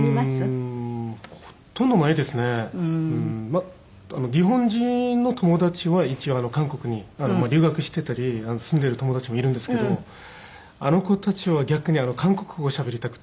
まあ日本人の友達は一応韓国に留学してたり住んでる友達もいるんですけどあの子たちは逆に韓国語をしゃべりたくて。